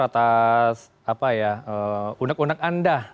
terima kasih atas undeg undeg anda